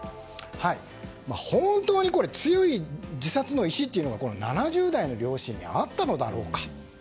本当に強い自殺の意思が７０代の両親にあったのだろうか。